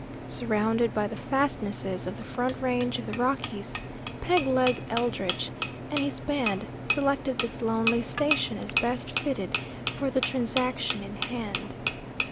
Surrounded by the fastnesses of the front range of the Rockies, Peg Leg Eldridge and his band selected this lonely station as best fitted for the transaction in hand.